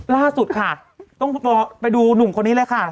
ล่าสุดค่ะต้องไปดูหนุ่มคนนี้เลยค่ะ